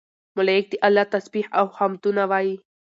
ملائک د الله تسبيح او حمدونه وايي